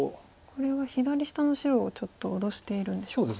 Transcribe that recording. これは左下の白をちょっと脅しているんでしょうか。